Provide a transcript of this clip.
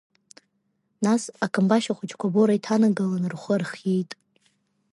Нас, акамбашь ахәыҷқәа абора иҭанагалан рхәы архиеит.